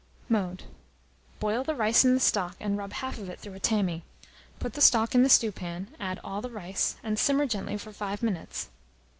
Mode. Boil the rice in the stock, and rub half of it through a tammy; put the stock in the stewpan, add all the rice, and simmer gently for 5 minutes.